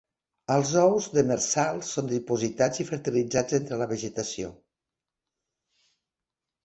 Els ous, demersals, són dipositats i fertilitzats entre la vegetació.